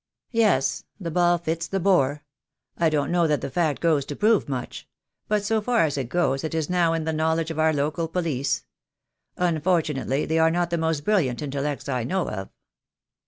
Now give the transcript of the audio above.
"Yes. The ball fits the bore. I don't know that the fact goes to prove much — but so far as it goes it is now in the knowledge of our local police. Unfortunately they are not the most brilliant intellects I know of."